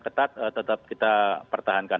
ketat tetap kita pertahankan